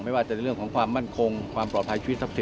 ไม่ว่าจะในเรื่องของความมั่นคงความปลอดภัยชีวิตทรัพท